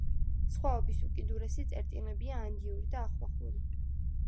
სხვაობის უკიდურესი წერტილებია ანდიური და ახვახური.